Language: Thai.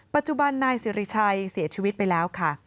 ปัจจุบันนายสิริชัยเสียชีวิตไปแล้วค่ะ